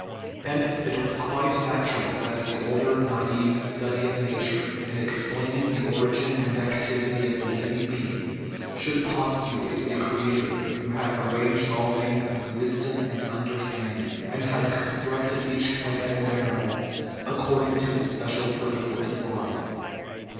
Hence it was quite nat ural that the older nai* ve study of nature, in explaining the origin and activity of the living being, should pos tulate a creator who had "arranged all things with wisdom and understanding," and had constructed each plant and animal according to the special purpose of its life.